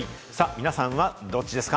皆さんはどっちですか？